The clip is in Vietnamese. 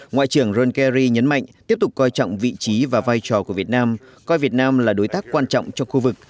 ngoại trưởng ron kerry nhấn mạnh tiếp tục coi trọng vị trí và vai trò của việt nam coi việt nam là đối tác quan trọng trong khu vực